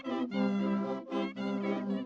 pertama suara dari biasusu